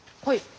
はい。